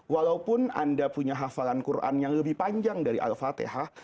walaupun anda punya hafalan quran yang lebih panjang dari al fatihah